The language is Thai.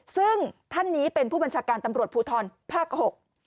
ซึ่งท่านนี้เป็นผู้บัญชาการตำรวจภูทรภาค๖